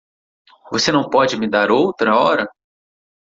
Você não pode me dar outra hora?